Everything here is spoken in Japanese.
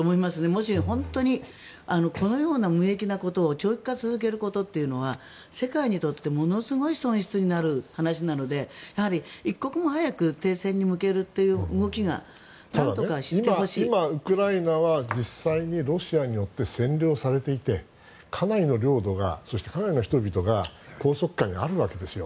もし本当にこのような無益なことを長期化して続けることというのは世界にとってものすごい損失になる話なので一刻も早く停戦に向けて今、ウクライナは実際にロシアによって占領されていてかなりの領土がそして、かなりの人々が拘束下にあるわけですよ。